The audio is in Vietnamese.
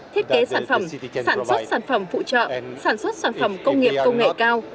thiết kế sản phẩm sản xuất sản phẩm phụ trợ sản xuất sản phẩm công nghiệp công nghệ cao